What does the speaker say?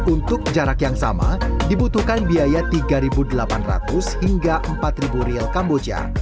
untuk jarak yang sama dibutuhkan biaya rp tiga delapan ratus hingga rp empat kamboja